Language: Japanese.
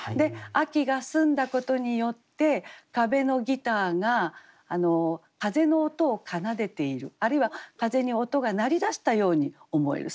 秋が澄んだことによって壁のギターが風の音を奏でているあるいは風に音が鳴りだしたように思える。